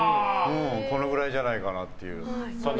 このぐらいじゃないかなって。